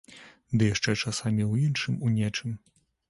Ды яшчэ часамі ў іншым у нечым.